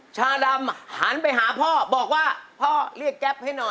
ชาดำหันไปหาพ่อบอกว่าพ่อเรียกแก๊ปให้หน่อย